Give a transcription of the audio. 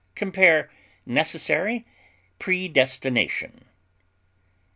Compare NECESSARY; PREDESTINATION.